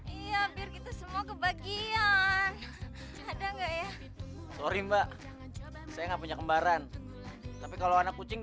iya birgit semua kebagian ada enggak ya sorry mbak saya punya kembaran tapi kalau anak kucing